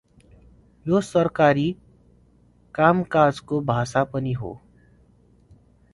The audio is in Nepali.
यो सरकारी कामकाजको भाषा पनि हो ।